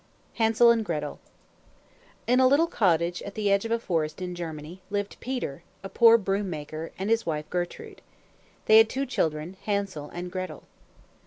HANSEL AND GRETEL In a little cottage at the edge of a forest in Germany, lived Peter, a poor broom maker, and his wife Gertrude. They had two children, Hansel and Gretel.